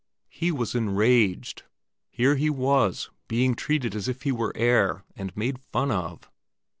He was enraged. Here he was, being treated as if he were air and made fun of!